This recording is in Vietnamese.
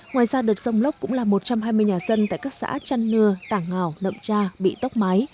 ngoài ra đợt sông lốc cũng làm một trăm hai mươi nhà dân tại các xã trăn nưa tảng ngào nậm tra bị tóc mái